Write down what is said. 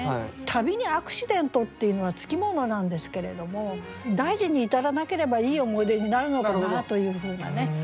旅にアクシデントっていうのは付き物なんですけれども大事に至らなければいい思い出になるのかなというふうなね。